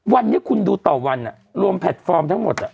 วันนี้คุณดูต่อวันรวมแพลตฟอร์มทั้งหมด